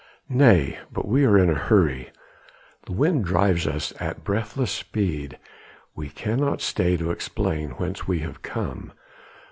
Nay! but we are in a hurry, the wind drives us at breathless speed, we cannot stay to explain whence we have come.